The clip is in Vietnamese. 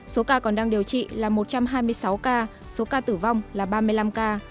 số ca còn đang điều trị là một trăm hai mươi sáu ca số ca tử vong là ba mươi năm ca